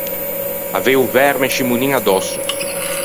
Avei o verme scimonin adòsso.